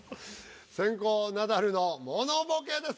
先攻ナダルのモノボケです。